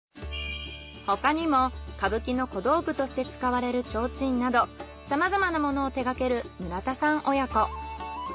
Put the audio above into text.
他にも歌舞伎の小道具として使われる提灯などさまざまなものを手がける村田さん親子。